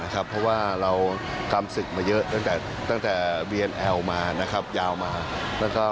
ความสำคัญมาก